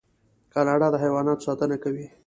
کاناډا د حیواناتو ساتنه کوي.